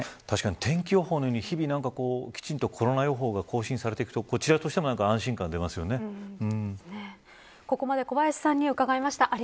確かに、天気予報のように日々きちんとコロナ予報が更新されていくとこちらとしてもここまで小林さんに伺いました。